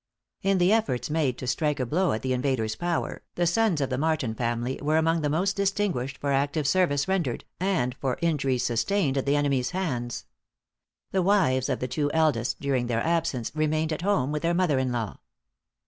In the efforts made to strike a blow at the invader's power, the sons of the Martin family were among the most distinguished for active service rendered, and for injuries sustained at the enemy's hands. The wives of the two eldest, during their absence, remained at home with their mother in law.